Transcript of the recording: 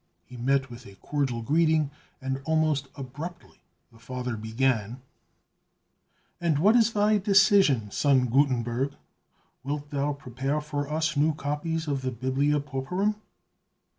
He met with a cordial greeting, and almost abruptly the Father began: "And what is thy decision, son Gutenberg; wilt thou prepare for us new copies of the 'Biblia Pauperum?